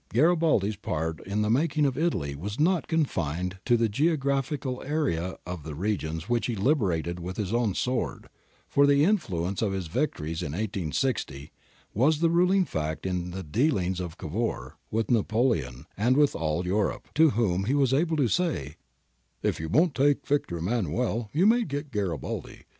Garibaldi's part in the making of Italy was not confined to the geographi cal area of the regions which he liberated with his own sword, for the influence of his victories in i860 was the ruling fact in the dealings of Cavour with Napoleon and with all Europe, to whom he was able to say, 'If you won't take Victor Emmanuel, you may get Garibaldi.'